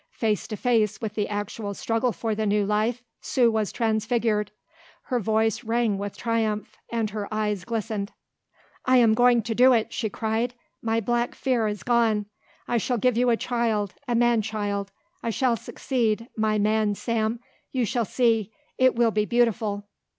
Face to face with the actual struggle for the new life Sue was transfigured. Her voice rang with triumph and her eyes glistened. "I am going to do it," she cried; "my black fear is gone. I shall give you a child a man child. I shall succeed, my man Sam. You shall see. It will be beautiful."